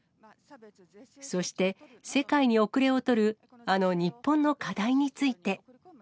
そして、世界に遅れを取る、あの日本の課題について。